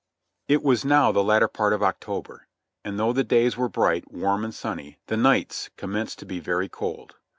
It was now the latter part of October, and though the days were bright, warm and sunny, the nights commenced to be very cold.